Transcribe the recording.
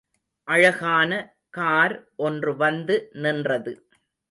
அழகான கார் ஒன்று வந்து நின்றது.